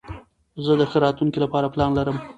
زه د ښه راتلونکي له پاره پلان لرم.